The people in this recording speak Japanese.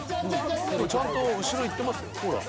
［ちゃんと後ろ行ってますよほら］